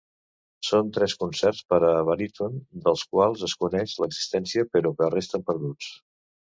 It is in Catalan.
Són tres concerts per a baríton dels quals es coneix l'existència però que resten perduts.